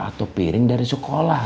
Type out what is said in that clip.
atau piring dari sekolah